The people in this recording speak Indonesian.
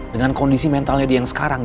dengan kondisi mentalnya dia yang sekarang